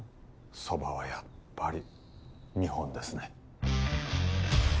蕎麦はやっぱり日本ですね